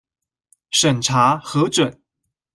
審查核准